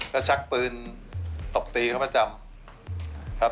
ก็ชักปืนตบตีเขาประจำครับ